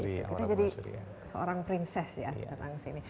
kita jadi seorang prinses ya datang kesini